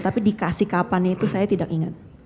tapi dikasih kapan itu saya tidak ingat